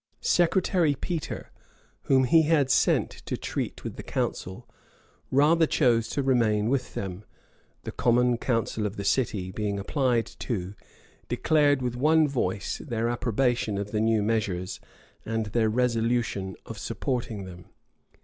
Secretary Petre, whom he had sent to treat with the council, rather chose to remain with them: the common council of the city, being applied to, declared with one voice their approbation of the new measures, and their resolution of supporting them.